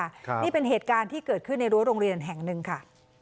นี่เป็นเหตุการณ์ที่เกิดขึ้นในรั้วโรงเรียนแห่งหนึ่งค่ะ